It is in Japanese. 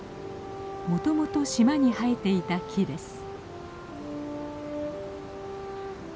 もともと島に生えていた木です。